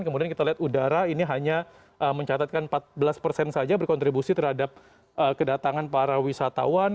kemudian kita lihat udara ini hanya mencatatkan empat belas persen saja berkontribusi terhadap kedatangan para wisatawan